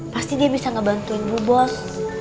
pasti dia bisa ngebantuin bu bos